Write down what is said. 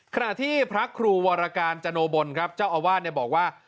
ขณะที่พระครูวรการจโนบลครับเจ้าอาวาสบอกว่า